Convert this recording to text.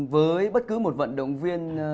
với bất cứ một vận động viên